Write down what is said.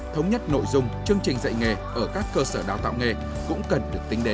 thống nhất nội dung chương trình dạy nghề ở các cơ sở đào tạo nghề cũng cần được tính đến